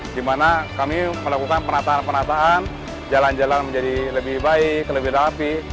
di mana kami melakukan penataan penataan jalan jalan menjadi lebih baik lebih rapi